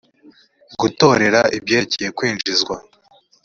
gutorera ibyerekeye kwinjizwa